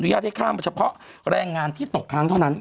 ญาตให้ข้ามเฉพาะแรงงานที่ตกค้างเท่านั้น